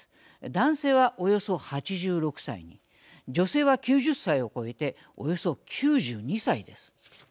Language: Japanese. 男性はおよそ８６歳に女性は９０歳を超えておよそ９２歳です。